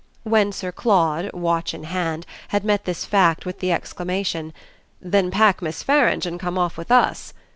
When Sir Claude, watch in hand, had met this fact with the exclamation "Then pack Miss Farange and come off with us!"